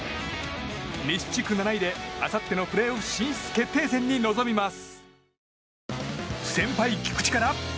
西地区７位であさってのプレーオフ進出決定戦に臨みます。